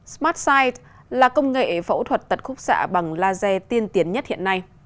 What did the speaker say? smartsite là công nghệ phẫu thuật tật khúc xạ bằng laser tiên tiến nhất hiện nay